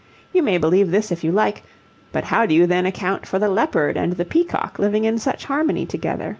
You may believe this if you like, but how do you then account for the leopard and the peacock living in such harmony together?